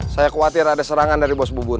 saya khawatir ada serangan dari bos bubun